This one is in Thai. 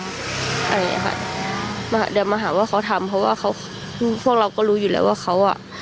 อะไรอย่างนี้ค่ะมาเดี๋ยวมาหาว่าเขาทำเพราะว่าเขาพวกเราก็รู้อยู่แล้วว่าเขาอ่ะ